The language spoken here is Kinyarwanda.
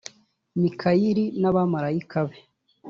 mikayeli n’abamarayika be